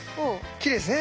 きれいですね。